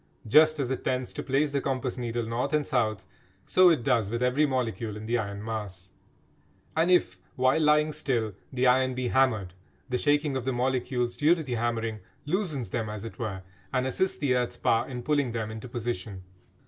Just as it tends to place the compass needle north and south, so it does with every molecule in the iron mass. And if, while lying still, the iron be hammered, the shaking of the molecules due to the hammering loosens them as it were and assists the earth's power in pulling them into position.